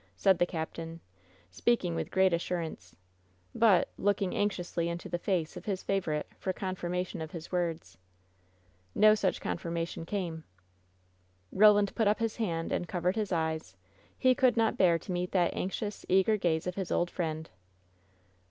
said the captain, speaking with great assurance, but — looking anxiously into the face of his favorite for confirmation of his words. No such confirmation came. Roland put up his hand and covered his eyes; he could not bear to meet that anxious, eager gaze of his old friend.